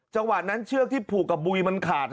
จังหวะนั้นเชือกที่ผูกกับบุยมันขาด